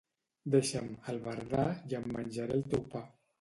Deixa'm, albardà, i em menjaré el teu pa.